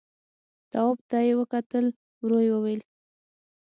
تواب ته يې وکتل، ورو يې وويل: